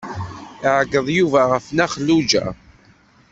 Iɛeggeḍ Yuba ɣef Nna Xelluǧa.